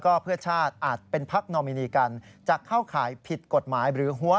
กรณีนี้ทางด้านของประธานกรกฎาได้ออกมาพูดแล้ว